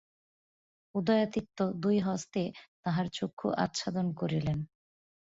উদয়াদিত্য দুই হস্তে তাঁহার চক্ষু আচ্ছাদন করিলেন।